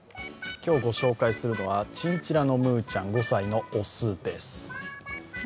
今日ご紹介するのは、チンチラのムーちゃん、５歳の雄です。